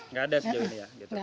nggak ada sejauh ini ya